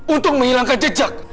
untuk menghilangkan jejak